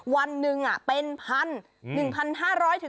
วันหนึ่งเป็น๑๕๐๐๒๐๐๐บาท